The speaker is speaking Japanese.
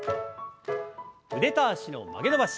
腕と脚の曲げ伸ばし。